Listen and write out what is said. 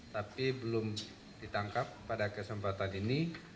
tapi belum ditangkap pada kesempatan ini